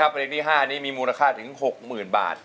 เพลงที่๕นี้มีมูลค่าถึง๖๐๐๐บาท